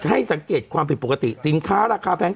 ให้สังเกตความผิดปกติสินค้าราคาแพง